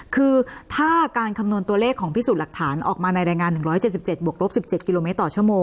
คือถ้าการคำนวณตัวเลขของพิสูจน์หลักฐานออกมาในรายงาน๑๗๗บวกลบ๑๗กิโลเมตรต่อชั่วโมง